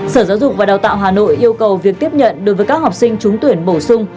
sở giáo dục và đào tạo hà nội yêu cầu việc tiếp nhận đối với các học sinh trúng tuyển bổ sung